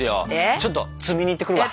ちょっと摘みに行ってくるわ。